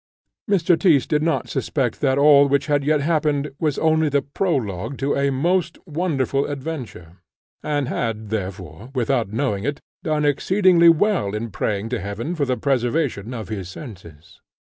Mr. Tyss did not suspect that all, which had yet happened, was only the prologue to a most wonderful adventure, and had therefore, without knowing it, done exceedingly well in praying to Heaven for the preservation of his senses.